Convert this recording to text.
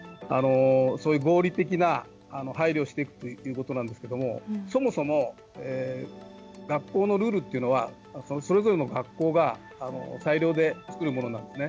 そういう合理的な配慮をしていくということなんですけれどもそもそも学校のルールというのはそれぞれの学校が裁量で作るものなんですね。